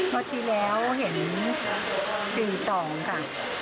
เมื่อที่แล้วเห็น๔ต่อค่ะ